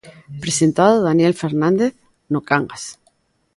Presentado Daniel Fernández no Cangas.